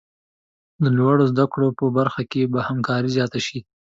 د لوړو زده کړو په برخه کې به همکاري زیاته شي.